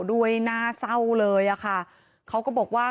ด้วยน่าเศร้าเลยอะค่ะเขาก็บอกว่า